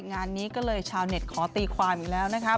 งานนี้ก็เลยชาวเน็ตขอตีความอีกแล้วนะคะ